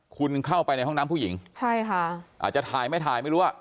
คุณเข้าไปในห้องน้ำผู้หญิงใช่ค่ะอาจจะถ่ายไม่ถ่ายไม่รู้อ่ะ